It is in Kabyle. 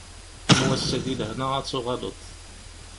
Am wass-a di lehna ad d-tuɣaleḍ.